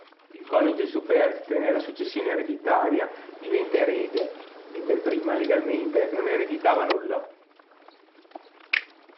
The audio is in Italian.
Il coniuge superstite nella successione ereditaria diventa erede, mentre prima, legalmente, non ereditava nulla.